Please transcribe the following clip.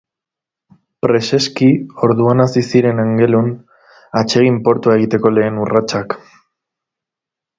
Preseski, orduan hasi ziren Angelun atsegin-portua egiteko lehen urratsak.